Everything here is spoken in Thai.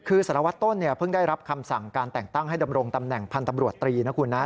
คือสารวัตรต้นเนี่ยเพิ่งได้รับคำสั่งการแต่งตั้งให้ดำรงตำแหน่งพันธ์ตำรวจตรีนะคุณนะ